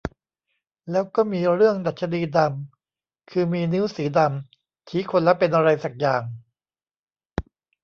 แล้วก็มีเรื่องดรรชนีดำ คือมีนิ้วสีดำ ชี้คนแล้วเป็นไรสักอย่าง